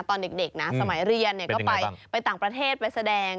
ตอนเด็กนะสมัยเรียนก็ไปต่างประเทศไปแสดง